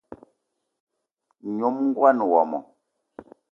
Nyom ngón wmo